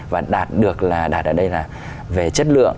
và đạt được là đạt ở đây là về chất lượng